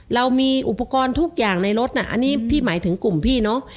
เรามีอุปกรณ์ทุกอย่างในรถน่ะอันนี้พี่หมายถึงกลุ่มพี่เนอะ